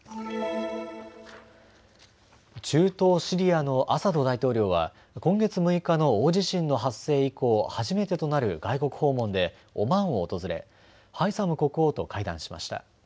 中東シリアのアサド大統領は今月６日の大地震の発生以降、初めてとなる外国訪問でオマーンを訪れハイサム国王と会談しました。